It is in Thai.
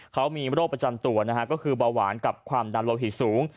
เขามีโรคประจำตัวนะฮะก็คือเบาหวานกับความดันโลหิตสูง